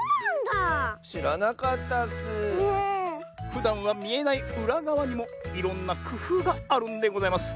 ふだんはみえないうらがわにもいろんなくふうがあるんでございます。